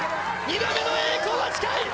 二度目の栄光は近い！